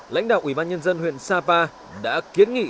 lãnh đạo ubnd huyện sapa đã kiến nghị